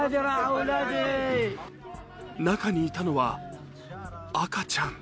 中にいたのは赤ちゃん。